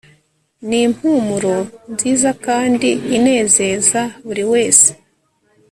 Nimpumuro nziza kandi inezeza buri wese